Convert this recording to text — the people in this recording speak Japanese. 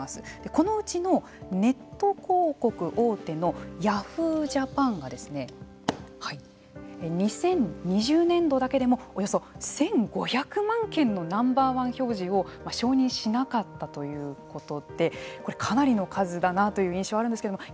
このうちのネット広告大手のヤフージャパンが２０２０年度だけでもおよそ１５００万件のＮｏ．１表示を承認しなかったということでかなりの数だなという印象があるんですけれども。